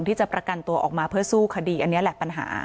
ที่จะประกันตัวออกมาเพื่อสู้คดีอันนี้แหละปัญหา